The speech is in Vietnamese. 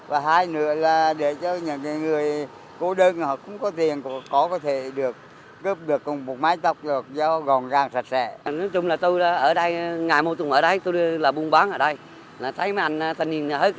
và những hoàn cảnh khó khăn